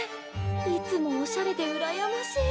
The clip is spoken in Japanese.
いつもオシャレでうらやましい！